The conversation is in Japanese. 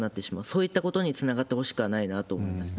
そういったことにつながってほしくないなと思います。